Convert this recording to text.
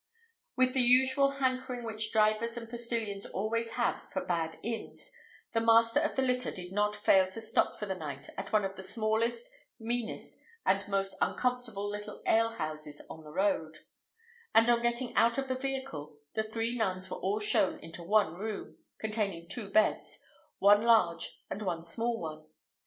With the usual hankering which drivers and postilions always have for bad inns, the master of the litter did not fail to stop for the night at one of the smallest, meanest, and most uncomfortable little alehouses on the road; and on getting out of the vehicle, the three nuns were all shown into one room, containing two beds, one large and one small one.